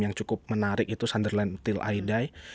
yang cukup menarik itu sunderland till i die